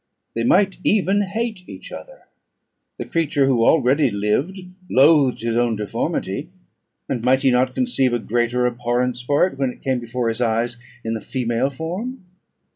They might even hate each other; the creature who already lived loathed his own deformity, and might he not conceive a greater abhorrence for it when it came before his eyes in the female form?